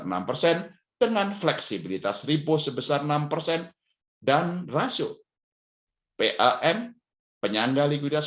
enam persen dengan fleksibilitas ribu sebesar enam persen dan rasio pam penyangga likuiditas